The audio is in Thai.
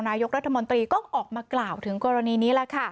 นายกรัฐมนตรีก็ออกมากล่าวถึงกรณีนี้